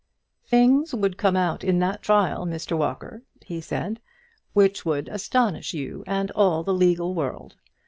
"Things would come out in that trial, Mr Walker," he said, "which would astonish you and all the legal world.